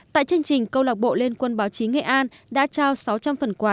tại chương trình câu lạc bộ liên quân báo chí nghệ an đã trao sáu trăm linh phần quà